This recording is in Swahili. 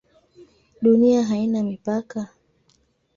Dunia haina mipaka?